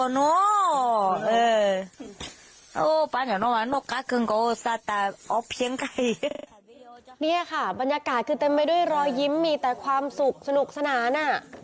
นี่ค่ะบรรยากาศคือเต็มไปด้วยรอยยิ้มมีแต่ความสุขสนุกสนาน